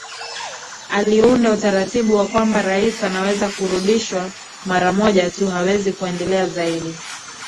Aliunda utaratibu wa kwamba rais anaweza kurudishwa mara moja tu hawezi kuendelea zaidi